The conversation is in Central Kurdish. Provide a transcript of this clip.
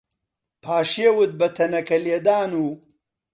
پاشیوت بە تەنەکەلێدان و